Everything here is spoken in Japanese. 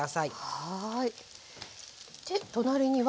はい。